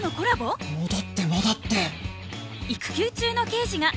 戻って戻って。